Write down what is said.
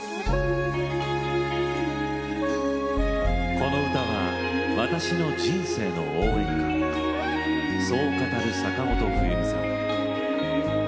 この歌は私の人生の応援歌そう語る、坂本冬美さん。